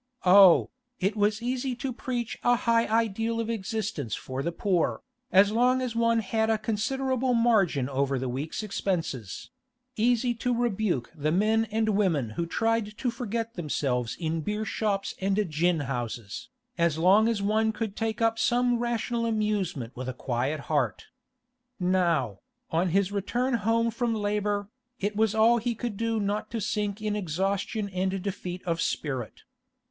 Oh, it was easy to preach a high ideal of existence for the poor, as long as one had a considerable margin over the week's expenses; easy to rebuke the men and women who tried to forget themselves in beer shops and gin houses, as long as one could take up some rational amusement with a quiet heart. Now, on his return home from labour, it was all he could do not to sink in exhaustion and defeat of spirit.